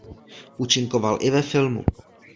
Účinkoval i ve filmu.